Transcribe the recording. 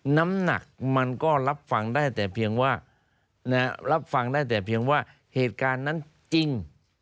น้ำหนักมันก็รับฟังได้แต่เพียงว่ารับฟังได้แต่เพียงว่าเหตุการณ์นั้นจริง